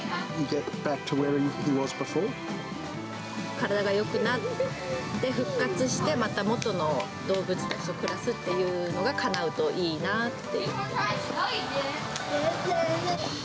体がよくなって、復活して、また元の動物たちと暮らすっていうのが、かなうといいなって。